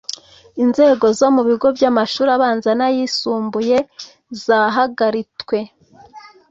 Inzego zo mu bigo byamashuri abanza nayisumbuye zahagaritwe